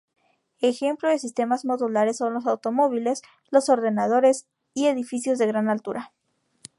Ejemplos de sistemas modulares son los automóviles, los ordenadores y edificios de gran altura.